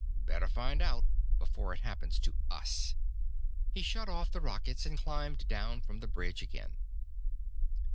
Better find out, before it happens to us!" He shut off the rockets, and climbed down from the bridge again.